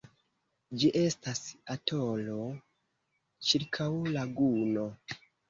Ĝi estas atolo ĉirkaŭ laguno.